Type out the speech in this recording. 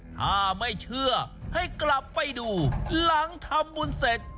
ถ้าไม่เชื่อให้กลับไปดูหลังทำบุญเสร็จ